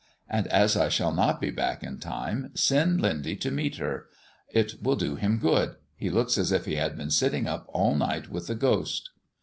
And as I shall not be back in time, send Lindy to meet her. It will do him good. He looks as if he had been sitting up all night with the ghost."